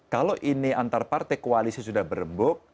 kalau ini antar partai koalisi sudah berembuk